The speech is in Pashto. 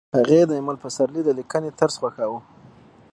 هغې د ایمل پسرلي د لیکنې طرز خوښاوه